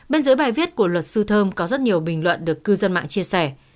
bên dưới bài viết của luật sư thơm có rất nhiều bình luận được cư dân mạng chia sẻ